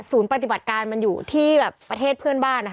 ศูนย์ปฏิบัติการมันอยู่ที่แบบประเทศเพื่อนบ้าน